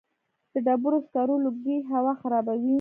د ډبرو سکرو لوګی هوا خرابوي؟